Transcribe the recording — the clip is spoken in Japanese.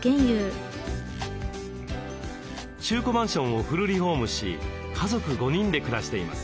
中古マンションをフルリフォームし家族５人で暮らしています。